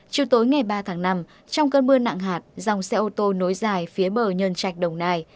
chiều tối ngày ba tháng năm trong cơn mưa nặng hạt dòng xe ô tô nối dài phía bờ nhân trạch đồng nai